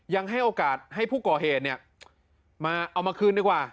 ยังให้โอกาสให้ผู้ก่อเหตุเนี่ยมาเอามาคืนดีกว่า